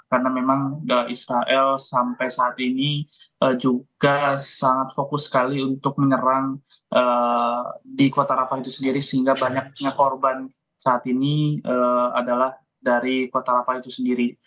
karena memang israel sampai saat ini juga sangat fokus sekali untuk menyerang di kota rafah itu sendiri sehingga banyaknya korban saat ini adalah dari kota rafah itu sendiri